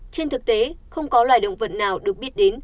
trên thực tế không có loài động vật nào được biết đến